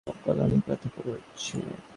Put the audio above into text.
গলা অনেক ব্যথা করছে।